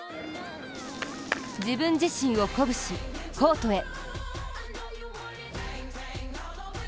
自分自身を鼓舞しコートへ。